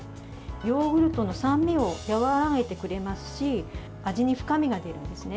ヨーグルトの酸味を和らげてくれますし味に深みが出るんですね。